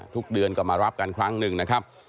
ทุกเดือนก็มารับกันครั้งหนึ่งนะครับ